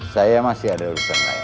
saya masih ada urusan saya